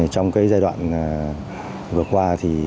trong cái giai đoạn vừa qua